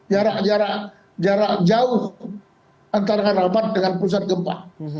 jarak jarak jauh antara rabat dengan pusat gempa